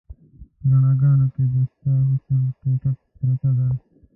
په رڼاګانو کې د ستا حسن ټوټه پرته ده